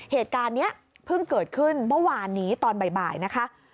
เหตุการณ์นี้เพิ่งเกิดขึ้นเมื่อวานนี้ตอนบ่ายนะคะ